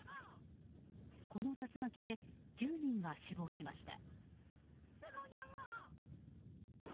この竜巻で１０人が死亡しました。